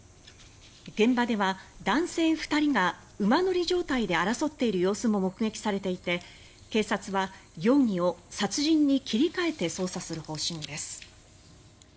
現場では男性２人が馬乗り状態で争っている様子も目撃されていて警察は容疑を殺人に切り替えて捜査する方針です。